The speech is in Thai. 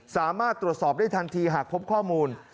สามารถตรวจสอบได้ทันทีหากพบข้อมูล